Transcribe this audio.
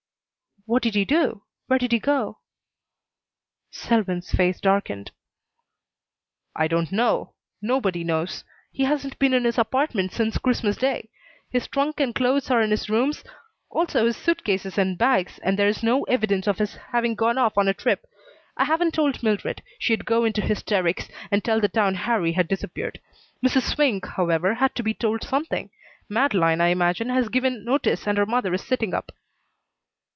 "What did he do? Where did he go?" Selwyn's face darkened. "I don't know. Nobody knows. He hasn't been in his apartment since Christmas day. His trunk and clothes are in his rooms, also his suit cases and bags, and there is no evidence of his having gone off on a trip. I haven't told Mildred. She'd go into hysterics and tell the town Harrie had disappeared. Mrs. Swink, however, had to be told something. Madeleine, I imagine, has given notice and her mother is sitting up."